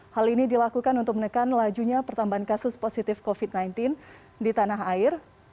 hal ini dilakukan untuk menekan lajunya pertambahan kasus positif covid sembilan belas di tanah air